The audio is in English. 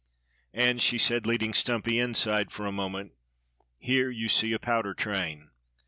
"And," she said, leading Stumpy inside for a moment, "here you see a powder train.